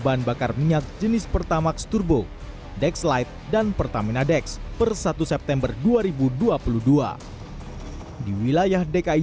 bahan bakar minyak jenis pertamax turbo dex light dan pertamina dex per satu september dua ribu dua puluh dua di wilayah dki